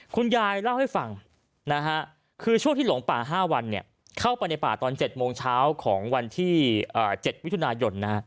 คุณยายเล่าให้ฟังคือช่วงที่หลงป่า๕วันเข้าไปในป่าตอน๗โมงเช้าของวันที่๗มิถุนายน